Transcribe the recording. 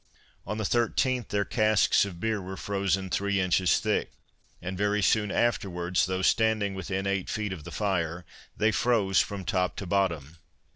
On the 13th their casks of beer were frozen three inches thick, and very soon afterwards, though standing within eight feet of the fire, they froze from top to bottom.